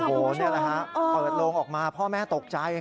โอ้โฮนี่แหละครับเปิดโรงออกมาพ่อแม่ตกใจครับ